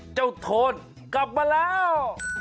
โทนกลับมาแล้ว